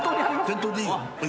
店頭でいいよ。